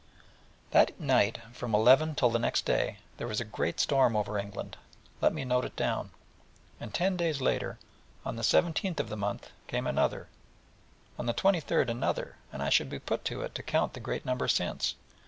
That night, from eleven till the next day, there was a great storm over England: let me note it down. And ten days later, on the 17th of the month came another; and on the 23rd another; and I should be put to it to count the great number since.